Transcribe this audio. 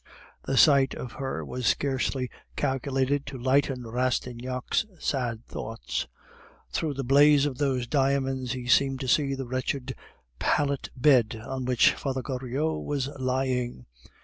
The sight of her was scarcely calculated to lighten Rastignac's sad thoughts; through the blaze of those diamonds he seemed to see the wretched pallet bed on which Father Goriot was lying.